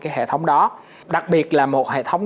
cái hệ thống đó đặc biệt là một hệ thống